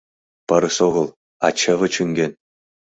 — Пырыс огыл, а чыве чӱҥген!